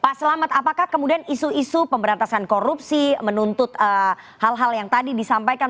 pak selamat apakah kemudian isu isu pemberantasan korupsi menuntut hal hal yang tadi disampaikan